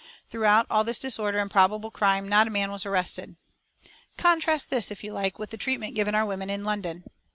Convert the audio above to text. Throughout all this disorder and probable crime, not a man was arrested. Contrast this, if you like, with the treatment given our women in London.